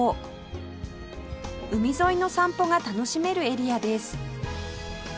海沿いの散歩が楽しめるエリアです